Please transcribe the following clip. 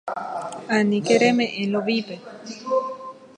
Aníke reme'ẽ Lovípe.